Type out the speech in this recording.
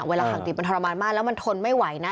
เวลาหักติดมันทรมานมากแล้วมันทนไม่ไหวนะ